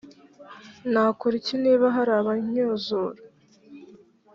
nakora iki niba hari abannyuzura